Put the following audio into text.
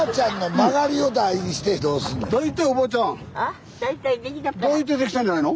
だいたいできたんじゃないの？